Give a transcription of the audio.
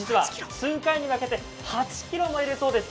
数回に分けて８ｋｇも入れるそうです